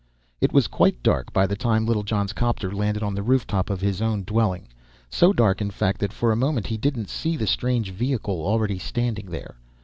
It was quite dark by the time Littlejohn's 'copter landed on the rooftop of his own dwelling; so dark, in fact, that for a moment he didn't see the strange vehicle already standing there.